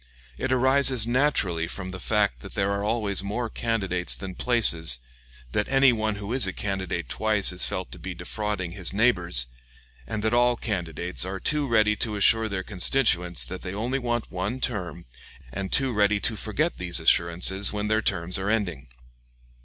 It arises naturally from the fact that there are always more candidates than places, that any one who is a candidate twice is felt to be defrauding his neighbors, and that all candidates are too ready to assure their constituents that they only want one term, and too ready to forget these assurances when their terms are ending.